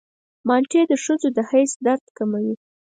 مالټې د ښځو د حیض درد کموي.